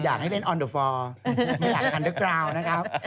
อยากให้เล่นออนเดอร์ฟอร์ไม่อยากทันเดอร์กราวนะครับ